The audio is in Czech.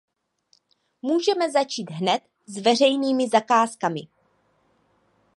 Můžeme začít hned s veřejnými zakázkami.